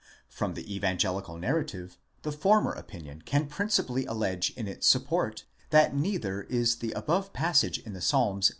From the evangelical narrative, the former opinion can princi pally allege in its support, that neither is the above passage in the Psalms.